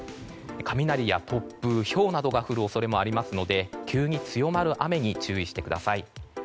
雷や突風、ひょうなどが降る恐れもありますので急に強まる雨に注意してください。